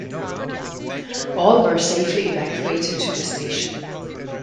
All were safely evacuated to the station.